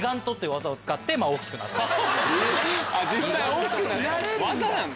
技なんだ。